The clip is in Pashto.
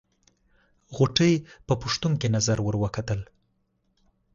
غوټۍ په پوښتونکې نظر ور وکتل.